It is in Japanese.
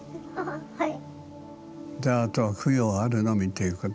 はい。